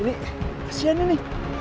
ini kasihan ini